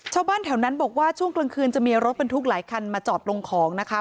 ชาวบ้านแถวนั้นบอกว่าช่วงกลางคืนจะมีรถบรรทุกหลายคันมาจอดลงของนะคะ